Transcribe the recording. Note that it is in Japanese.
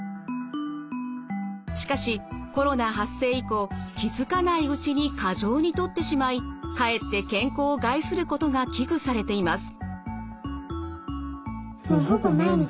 しかしコロナ発生以降気付かないうちに過剰にとってしまいかえって健康を害することが危惧されています。